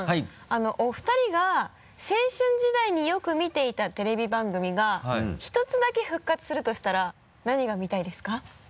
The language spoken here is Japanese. お二人が青春時代によく見ていたテレビ番組が１つだけ復活するとしたら何が見たいですか？